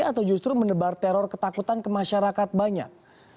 atau justru menebar teror ketakutan ke masyarakat banyak